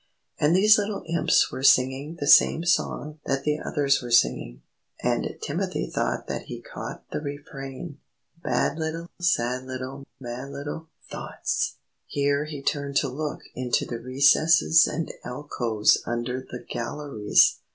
And these little Imps were singing the same song that the others were singing, and Timothy thought that he caught the refrain: "Bad little, Sad little, Mad little Thoughts!" Here he turned to look into the recesses and alcoves under the galleries.